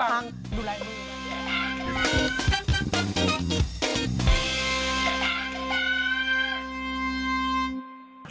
อ่างแตก